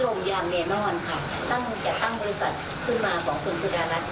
แต่ยังไม่ได้คุยกันจบฝากใครเตรียร์ใครใครทอนใครอย่างนี้